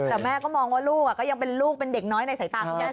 แต่แม่ก็มองว่าลูกก็ยังเป็นลูกเป็นเด็กน้อยในสายตาคุณแม่